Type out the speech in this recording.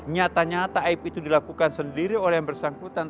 nyata nyata aib itu dilakukan sendiri oleh yang bersangkutan